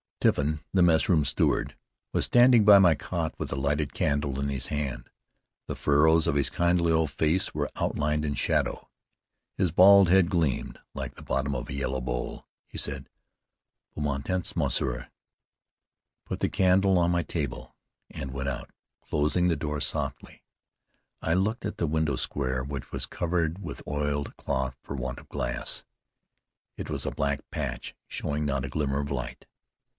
Tiffin, the messroom steward, was standing by my cot with a lighted candle in his hand. The furrows in his kindly old face were outlined in shadow. His bald head gleamed like the bottom of a yellow bowl. He said, "Beau temps, monsieur," put the candle on my table, and went out, closing the door softly. I looked at the window square, which was covered with oiled cloth for want of glass. It was a black patch showing not a glimmer of light.